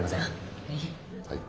はい。